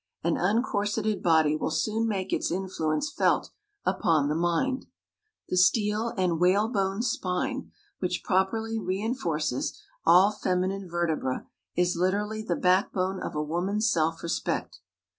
An uncorseted body will soon make its influence felt upon the mind. The steel and whalebone spine which properly reinforces all feminine vertebra is literally the backbone of a woman's self respect.